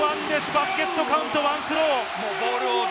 バスケットカウントワンスロー。